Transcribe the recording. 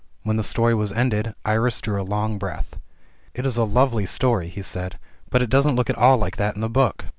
When the story was ended, Iris drew a long breath. "It is a lovely story,*' he said ; "but it doesn't look at all like that in the book."